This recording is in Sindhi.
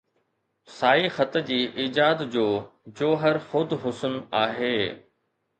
سائي خط جي ايجاد جو جوهر خود حسن آهي